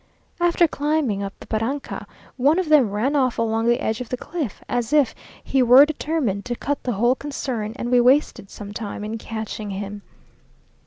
After climbing up the barranca, one of them ran off along the edge of the cliff, as if he were determined to cut the whole concern, and we wasted some time in catching him.